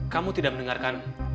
kamu tidak mendengarkan